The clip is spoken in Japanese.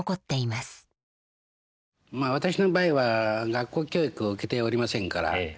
まあ私の場合は学校教育を受けておりませんから。